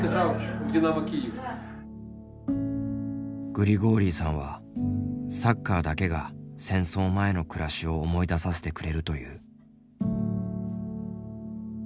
グリゴーリイさんはサッカーだけが戦争前の暮らしを思い出させてくれるという。